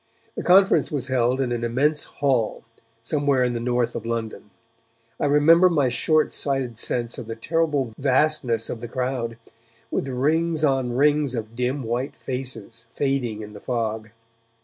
The conference was held in an immense hall, somewhere in the north of London. I remember my short sighted sense of the terrible vastness of the crowd, with rings on rings of dim white faces fading in the fog.